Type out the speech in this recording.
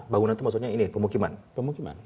bangunan itu maksudnya pemukiman